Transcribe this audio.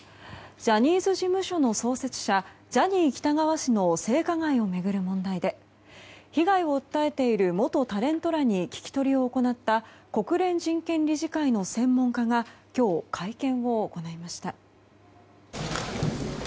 ジャニーズ事務所の創設者ジャニー喜多川氏の性加害を巡る問題で被害を訴えている元タレントらに聞き取りを行った国連人権理事会の専門家が今日、会見を行いました。